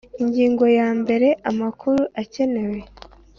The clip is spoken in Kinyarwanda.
Ingingo ya mbere Amakuru akenewe